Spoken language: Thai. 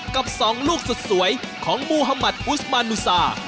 กับสองลูกสุดสวยของมูฮัมัดอุซมานุสา